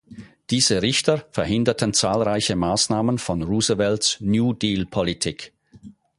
Diese Richter verhinderten zahlreiche Maßnahmen von Roosevelts New-Deal-Politik.